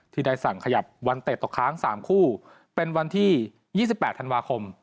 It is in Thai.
ที่ได้สั่งขยับวันเตะตกค้าง๓คู่เป็นวันที่๒๘ธันวาคม